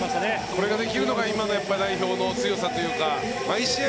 これができるのが今の代表の強さというか毎試合